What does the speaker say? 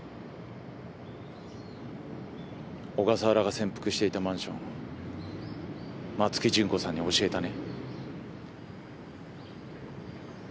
小笠原が潜伏していたマンション松木順子さんに教えたね？